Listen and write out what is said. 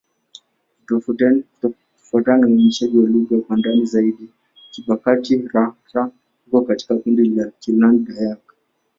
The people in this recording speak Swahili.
Kufuatana na uainishaji wa lugha kwa ndani zaidi, Kibakati'-Rara iko katika kundi la Kiland-Dayak.